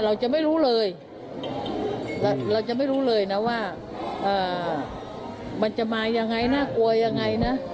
เราจะไม่รู้เลยเราจะไม่รู้เลยนะว่ามันจะมายังไงน่ากลัวยังไงนะ